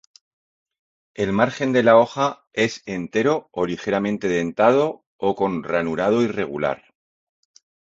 El margen de la hoja es entero o ligeramente dentado o con ranurado irregular.